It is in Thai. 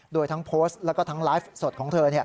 โดยทั้งโพสต์แล้วก็ทั้งไลฟ์สดของเธอ